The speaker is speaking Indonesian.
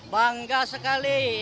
bangga sekali ya